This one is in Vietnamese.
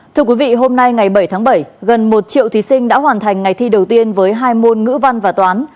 thưa quý vị hôm nay ngày bảy tháng bảy gần một triệu thí sinh đã hoàn thành ngày thi đầu tiên với hai môn ngữ văn và toán